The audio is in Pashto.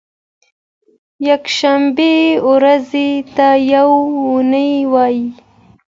یکشنبې ورځې ته یو نۍ وایی